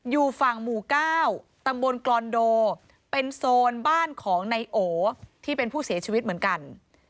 อยู่ฝั่งหมู่๙ตำบลกรอนโดเป็นโซนบ้านของนายโอที่เป็นผู้เสียชีวิตเหมือนกัน